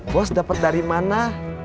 bos dapat dari mana